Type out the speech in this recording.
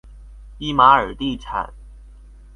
伊玛尔地产。